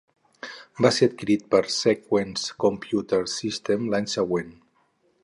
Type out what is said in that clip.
Va ser adquirit per Sequent Computer Systems l'any següent.